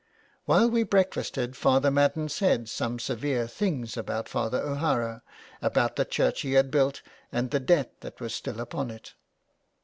While we breakfasted Father Madden said some severe things about Father O^Hara, about the church he had built, and the debt that was still upon it.